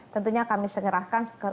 tentunya kami segerakan